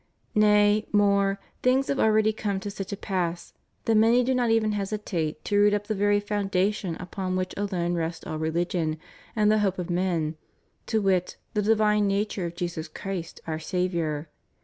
Nay, more, things have already come to such a pass that many do not even hesitate to root up the very foun dation upon which alone rests all religion, and the hope of men, to wit, the divine nature of Jesus Christ, our Saviour.